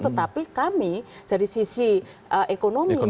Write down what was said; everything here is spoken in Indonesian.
tetapi kami dari sisi ekonomi